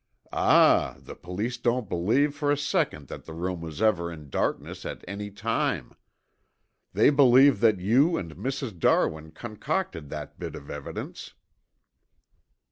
"Ah, the police don't believe for a second that the room was ever in darkness at any time. They believe that you and Mrs. Darwin concocted that bit of evidence."